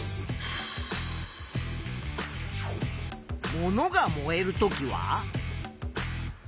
物が燃えるときは？